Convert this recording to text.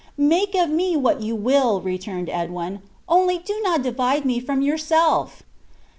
"Make of me what you will," returned Edwin, "only do not divide me from yourself!"